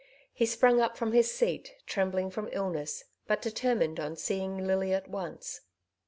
He sprang up from his seat, trembling from illness, but de termined on seeing Lily at once.